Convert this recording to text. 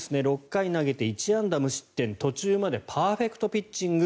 ６回投げて１安打無失点途中までパーフェクトピッチング。